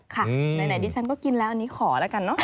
ไหนดิฉันก็กินแล้วอันนี้ขอแล้วกันเนอะ